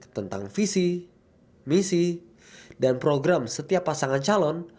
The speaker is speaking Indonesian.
tentang visi misi dan program setiap pasangan calon